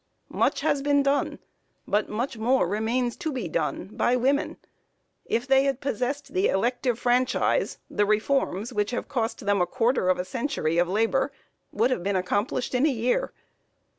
Much has been done, but much more remains to be done by women. If they had possessed the elective franchise, the reforms which have cost them a quarter of a century of labor would have been accomplished in a year.